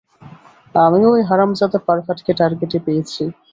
আমি ঐ হারামজাদা পার্ভাটকে টার্গেটে পেয়েছি।